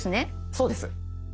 そうです。